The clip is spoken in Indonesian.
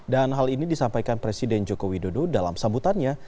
dan hal ini disampaikan presiden joko widodo dalam sambutannya